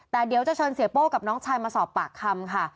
แต่เดี๋ยวจะเชิญเสียโป้กับน้องชายมาสอบปากคำค่ะ